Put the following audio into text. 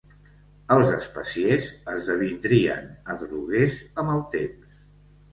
Els especiers esdevindrien adroguers amb el temps.